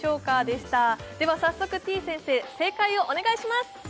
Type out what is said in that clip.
でしたでは早速てぃ先生正解をお願いします